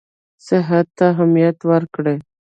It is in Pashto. صحت ته اهمیت ورکړي.